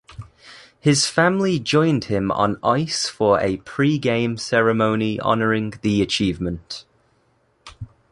His family joined him on ice for a pre-game ceremony honouring the achievement.